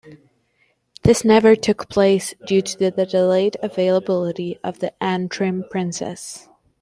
This never took place due to the delayed availability of the "Antrim Princess".